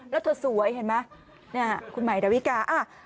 และเธอสวยเห็นไหมนี่คุณใหม่ดาวิกา